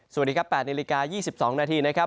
สวัสดีครับ๘นน๒๒นนะครับ